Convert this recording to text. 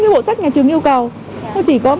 nhà trường yêu cầu tám loại